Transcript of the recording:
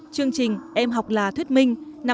chương trình em học là thuyết minh năm hai nghìn một mươi chín